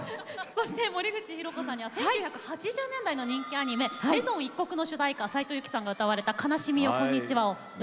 そして森口博子さんには１９８０年代の人気アニメ「めぞん一刻」の主題歌斉藤由貴さんが歌われた「悲しみよこんにちは」を歌って頂きます。